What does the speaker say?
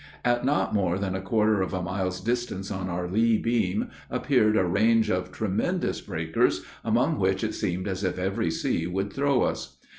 At not more than a quarter of a mile's distance on our lee beam, appeared a range of tremendous breakers, among which it seemed as if every sea would throw us.